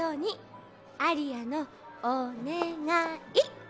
アリアのおねがい。